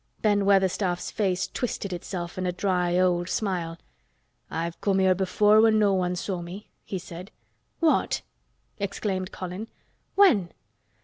Ben Weatherstaff's face twisted itself in a dry old smile. "I've come here before when no one saw me," he said. "What!" exclaimed Colin. "When?"